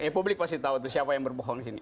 publik pasti tahu tuh siapa yang berbohong di sini